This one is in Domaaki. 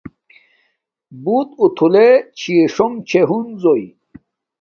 بوت آتھولے چھی ݽونݣ چھے ہنزو